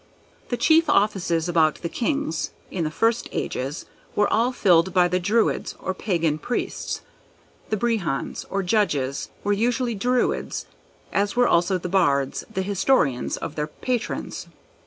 The chief offices about the Kings, in the first ages, were all filled by the Druids, or Pagan Priests; the Brehons, or Judges, were usually Druids, as were also the Bards, the historians of their patrons.